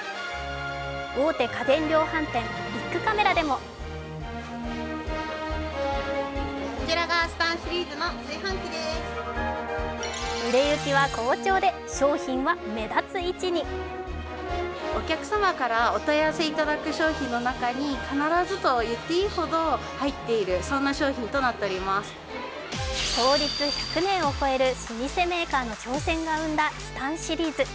大手家電量販店、ビックカメラでも売れ行きは好調で商品は目立つ位置に創立１００年を超える老舗メーカーの挑戦が生んだＳＴＡＮ．シリーズ。